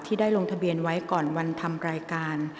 ได้ลงทะเบียนไว้ก่อนวันทำรายการ